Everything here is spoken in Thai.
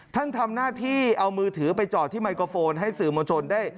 ท่านทำหน้าที่เอามือถือไปจอดที่ไมโครโฟนให้สื่อมวลชนได้